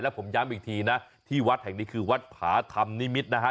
ผมย้ำอีกทีนะที่วัดแห่งนี้คือวัดผาธรรมนิมิตรนะฮะ